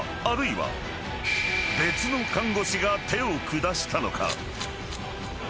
［あるいは別の看護師が手を下したのか？］